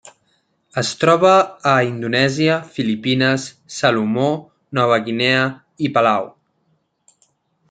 Es troba a Indonèsia, Filipines, Salomó, Nova Guinea i Palau.